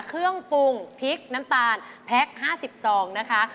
เครื่องปรุงพริกน้ำตาลแพ็ค๕๐ซองนะคะ